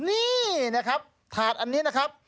นี่นะครับถาดอันนี้นะครับ